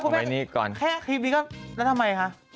ก่อนแค่คลิปนี้ก็แล้วทำไมคะ